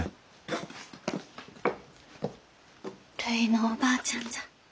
るいのおばあちゃんじゃ。